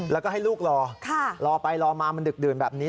แล้วก็ให้ลูกรอรอไปรอมามันดึกดื่นแบบนี้